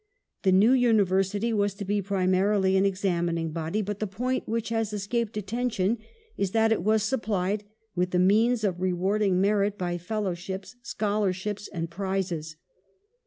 The new University was to be primarily an examining body, but the point which has escaped attention is that it was supplied with the means of rewarding merit by Fellowships, Scholarships, and Prizes.